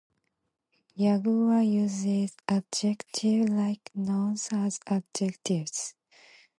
Yagua uses adjective-like nouns as adjectives.